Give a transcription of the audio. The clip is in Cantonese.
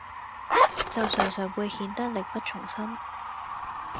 就常常會顯得力不從心